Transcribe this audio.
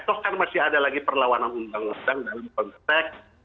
toh kan masih ada lagi perlawanan undang undang dalam konteks